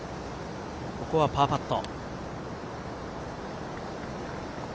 ここはパーパット。